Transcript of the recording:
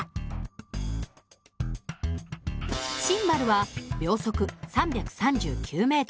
シンバルは秒速３３９ｍ。